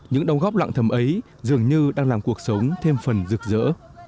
những đồng góp lặng thầm ấy dường như đang làm cuộc sống thêm phần rực rỡ